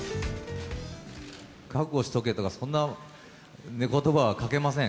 覚悟しとけとか、そんなことばはかけません。